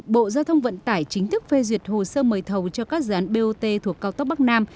bộ giao thông vận tải chính thức phê duyệt hồ sơ mời thầu cho các dự án bot thuộc cao tốc bắc nam